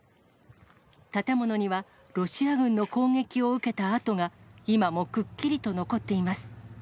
建物にはロシア軍の攻撃を受けた跡が、今もくっきりと残っています。